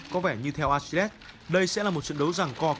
có vẻ như theo archilet đây sẽ là một trận đấu rằng co cân sức